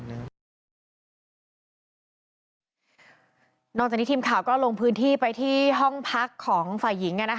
นอกจากนี้ทีมข่าวก็ลงพื้นที่ไปที่ห้องพักของฝ่ายหญิง